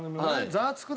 『ザワつく！』